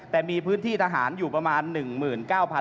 แต่มีพื้นที่ทหารอยู่ประมาณ๑๙๐๐